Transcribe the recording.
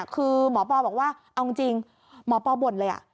คือหมอปอบอกว่าเอาจริงหมอปอบ่นเลย